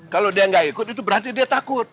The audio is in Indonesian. kalau dia nggak ikut itu berarti dia takut